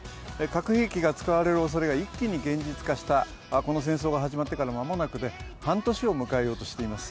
核兵器が使われるおそれが一気に現実化したこの戦争が始まってから間もなく半年を迎えようとしています。